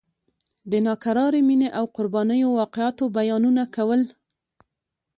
د ناکرارې مینې او قربانیو واقعاتو بیانونه کول.